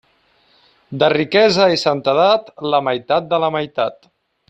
De riquesa i santedat, la meitat de la meitat.